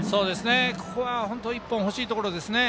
ここは本当に１本欲しいところですね。